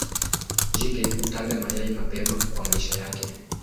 Jike hutaga mayai mapema kwa maisha yake.